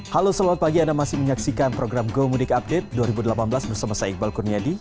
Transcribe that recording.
halo selamat pagi anda masih menyaksikan program gomudik update dua ribu delapan belas bersama saya iqbal kurniadi